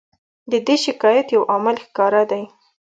د دې شکایت یو عامل ښکاره دی.